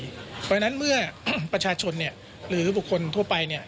เพราะฉะนั้นเมื่อประชาชนหรือบุคคลทั่วไปเนี่ย